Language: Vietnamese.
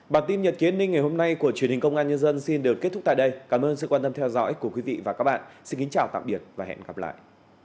bản tin nhật kiến ninh ngày hôm nay của truyền hình công an nhân dân xin được kết thúc tại đây cảm ơn sự quan tâm theo dõi của quý vị và các bạn xin kính chào tạm biệt và hẹn gặp lại